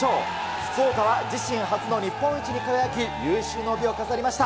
福岡は自身初の日本一に輝き、有終の美を飾りました。